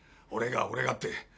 俺が俺がって。